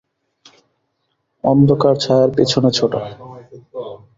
অন্ধকার ছায়ার পেছনে ছুটা!